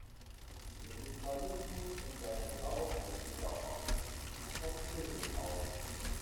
Den Sozialismus in seinem Lauf, hält weder Ochs noch Esel auf!